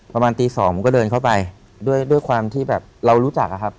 ประมาณตีสองผมก็เดินเข้าไปด้วยด้วยความที่แบบเรารู้จักอะครับ